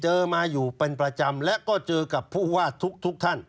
มาอยู่เป็นประจำและก็เจอกับผู้ว่าทุกท่าน